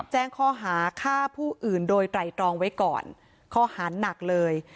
แจ้งข้อหาฆ่าผู้อื่นโดยไตรตรองไว้ก่อนข้อหาหนักเลย